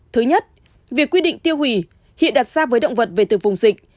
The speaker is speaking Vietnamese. thứ nhất việc quy định tiêu hủy hiện đặt ra với động vật về từ vùng dịch